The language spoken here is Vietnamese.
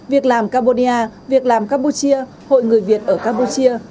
việc làm cabodia việc làm campuchia hội người việt ở campuchia